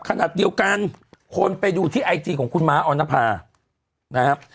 ขนาดเดียวกันคนไปดูที่ไอจีของคุณม้าออนภานะครับ